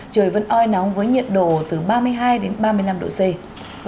trời vẫn oi nóng với nhiệt độ từ ba mươi hai đến ba mươi năm độ c